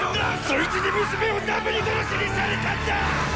そいつに娘をなぶり殺しにされたんだ！